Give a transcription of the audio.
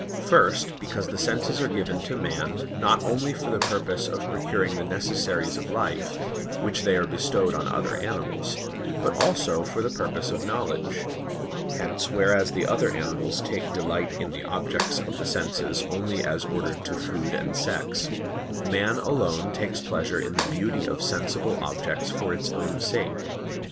First, because the senses are given to man, not only for the purpose of procuring the necessaries of life, which they are bestowed on other animals, but also for the purpose of knowledge. Hence, whereas the other animals take delight in the objects of the senses only as ordered to food and sex, man alone takes pleasure in the beauty of sensible objects for its own sake.